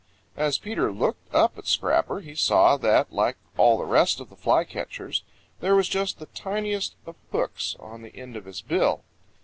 As Peter looked up at Scrapper he saw that, like all the rest of the flycatchers, there was just the tiniest of hooks on the end of his bill.